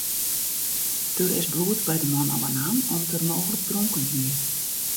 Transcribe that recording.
Der is bloed by de man ôfnaam om't er mooglik dronken hie.